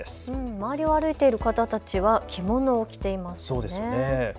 周りを歩いている方たちは着物を着ていますね。